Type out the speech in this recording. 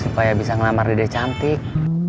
supaya bisa ngelamar dide cantik